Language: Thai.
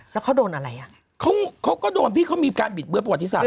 แล้วเขาโดนอะไรอ่ะเขาก็โดนพี่เขามีการบิดเบื้อประวัติศาสต